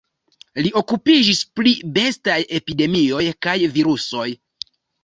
Li okupiĝis pri bestaj epidemioj kaj virusoj.